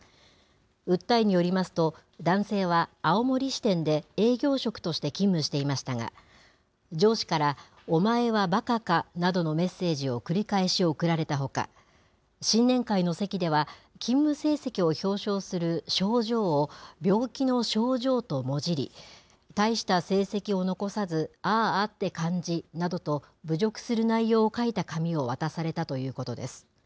訴えによりますと、男性は青森支店で営業職として勤務していましたが、上司からお前はばかかなどのメッセージを繰り返し送られたほか、新年会の席では、勤務成績を表彰する賞状を、病気の症状ともじり、大した成績を残さずあーあって感じなどと侮辱する内容を書いた紙を渡されたということです。